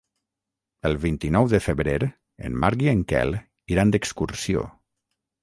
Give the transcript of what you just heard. El vint-i-nou de febrer en Marc i en Quel iran d'excursió.